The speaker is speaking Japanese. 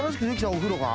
お風呂が？